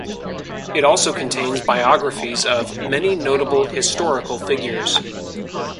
It also contains biographies of many notable historical figures.